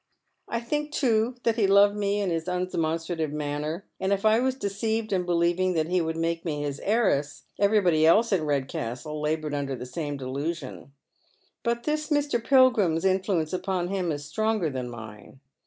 I think, too, that he loved me in his undemonstrative manner ; and if I was deceived in believing that he would make me his heiress, everybody else in Redcastle laboured under the same delusion. But this Mr. Pilgrim's influence upon him is stronger than mine.